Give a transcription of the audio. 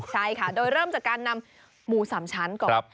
ใช่ค่ะโดยเริ่มจากการนำหมู๓ชั้นก่อน